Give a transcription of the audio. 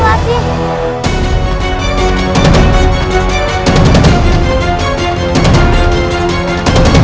ragii ini fearless belum